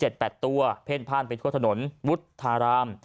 หมาฟุงนี้มี๗๘ตัวเพล่นผ่านไปทั่วถนนวุฒิธาราม